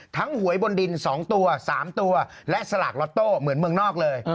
หวยบนดิน๒ตัว๓ตัวและสลากล็อตโต้เหมือนเมืองนอกเลย